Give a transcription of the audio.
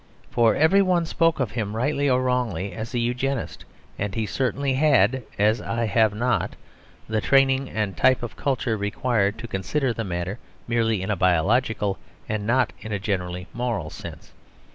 For everyone spoke of him, rightly or wrongly, as a Eugenist; and he certainly had, as I have not, the training and type of culture required to consider the matter merely in a biological and not in a generally moral sense.